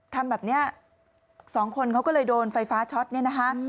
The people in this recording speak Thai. ทำแบบนี้สองคนเขาก็เลยโดนไฟฟ้าช็อตเนี่ยนะคะ